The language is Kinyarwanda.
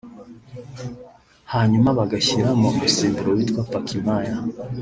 hanyuma bagashyiramo umusemburo witwa Pakimaya